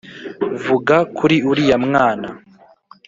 vuga kuri uriya mwana'